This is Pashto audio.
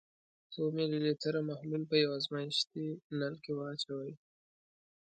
څو ملي لیتره محلول په یو ازمیښتي نل کې واچوئ.